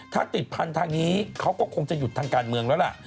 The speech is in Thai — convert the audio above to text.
ถ้าติดพันธุ์ทางนี้เขาก็คงจะหยุดทางการเมืองแล้วล่ะ